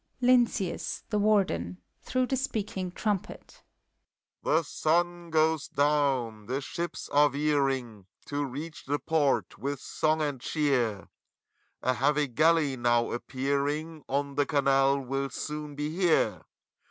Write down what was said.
LYNCEUS, THE WARDER (through the speaking trumpet). THE sun goes down, the ships are veering To reach the port, with song and cheer: A heavy gaUey, now appearing ACT V. iSff On the canal, will soon be here.